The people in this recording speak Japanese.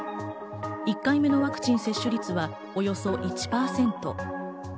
１回目のワクチン接種率はおよそ１％。